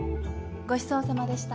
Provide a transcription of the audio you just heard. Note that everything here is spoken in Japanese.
ごちそうさまでした。